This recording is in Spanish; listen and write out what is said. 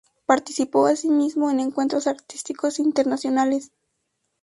Participó asimismo en encuentros artísticos internacionales.